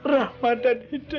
rahmat dan hidayah